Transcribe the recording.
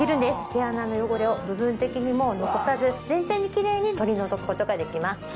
毛穴の汚れを部分的にも残さず全体にキレイに取り除くことができます。